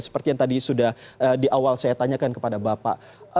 seperti yang tadi sudah di awal saya tanyakan kepada bapak